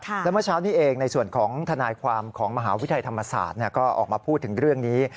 แล้วเมื่อเช้านี้เองในส่วนของทนายความของมหาวิทยาลัยธรรมศาสตร์ก็ออกมาพูดถึงเรื่องนี้